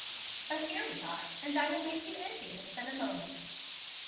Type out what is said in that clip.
But here we are, and I will make you envious in a moment."